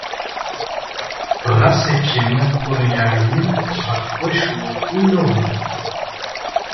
Ɣas akken ur yeɛlim ɣef wacu i nnuɣen.